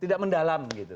tidak mendalam gitu